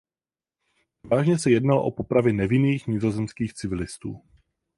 Převážně se jednalo o popravy nevinných nizozemských civilistů.